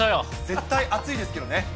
絶対、暑いですけどね。